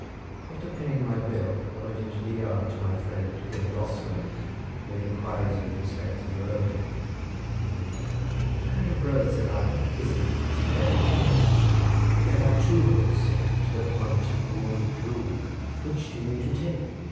After paying my bill, I went into the yard to my friend the old ostler, to make inquiries with respect to the road. "What kind of road," said I, "is it to the Devil's Bridge?" "There are two roads, sir, to the Pont y Gwr Drwg; which do you mean to take?"